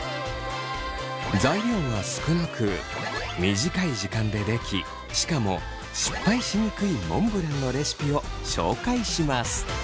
材料が少なく短い時間で出来しかも失敗しにくいモンブランのレシピを紹介します。